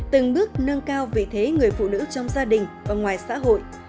từng bước nâng cao vị thế người phụ nữ trong gia đình và ngoài xã hội